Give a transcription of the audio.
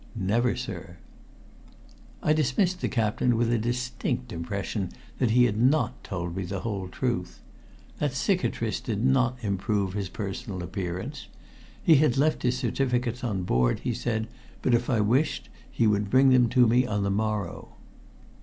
"Never, sir." I dismissed the captain with a distinct impression that he had not told me the whole truth. That cicatrice did not improve his personal appearance. He had left his certificates on board, he said, but if I wished he would bring them to me on the morrow.